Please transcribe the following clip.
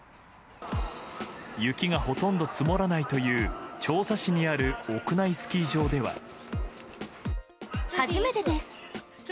雪が、ほとんど積もらないという長沙市にある屋内スキー場では。